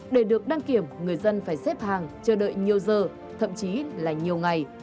để được đăng kiểm người dân phải xếp hàng chờ đợi nhiều giờ thậm chí là nhiều ngày